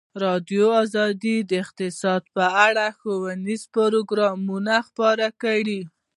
ازادي راډیو د اقتصاد په اړه ښوونیز پروګرامونه خپاره کړي.